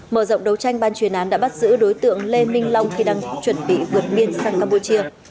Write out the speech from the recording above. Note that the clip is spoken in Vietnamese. mở rộng đấu tranh ban chuyên án đã bắt giữ đối tượng lê minh long khi đang chuẩn bị vượt biên sang campuchia